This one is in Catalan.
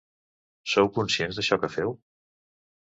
Sou conscients d’això que feu?